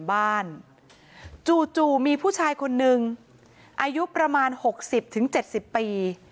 บ้านจู่มีผู้ชายคนนึงอายุประมาณหกสิบถึงเจ็ดสิบปี